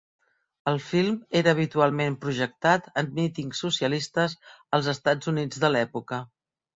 El film era habitualment projectat en mítings socialistes als Estats Units de l'època.